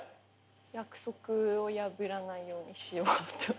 約束を破らないようにしようって思って。